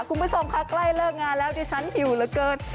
คุณผู้ชมค่ะใกล้เลิกงานแล้วดิฉันหิวเหลือเกิน